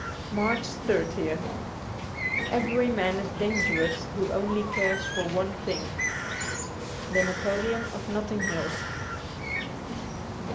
95 MARCH 30th EVERY man is dangerous who only cares for one thing. ' The Napoleon of NoUing Hill.